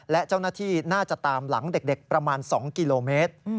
และเจ้าหน้าที่น่าจะตามหลังเด็กประมาณ๒กิโลเมตร